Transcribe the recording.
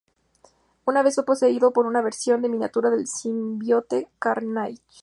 Una vez fue poseído por una versión en miniatura del simbionte Carnage.